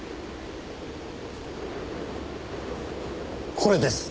これです！